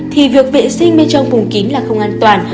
thì việc vệ sinh bên trong vùng kín là không an toàn